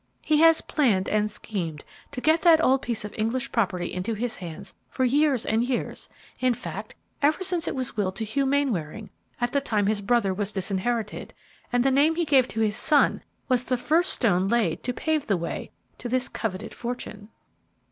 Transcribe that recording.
He has planned and schemed to get that old piece of English property into his hands for years and years, in fact, ever since it was willed to Hugh Mainwaring at the time his brother was disinherited, and the name he gave to his son was the first stone laid to pave the way to this coveted fortune."